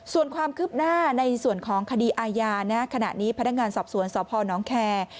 ส่วนความคืบหน้าในส่วนของคดีอาญาขณะนี้พนักงานสอบสวนสพนแคร์